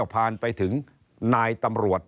ผ่านไปถึงนายตำรวจ